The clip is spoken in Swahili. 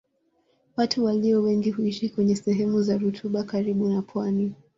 Watu walio wengi huishi kwenye sehemu za rutuba karibu na pwani.